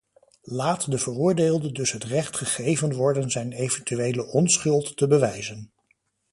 Laat de veroordeelde dus het recht gegeven worden zijn eventuele onschuld te bewijzen.